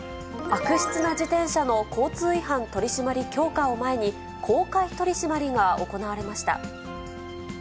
悪質な自転車の交通違反取り締まり強化を前に、公開取締りが行われました。